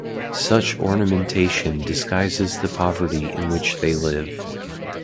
Such ornamentation disguises the poverty in which they live.